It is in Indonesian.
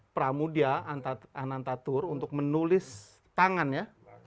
pramudia anantatur untuk menulis tangannya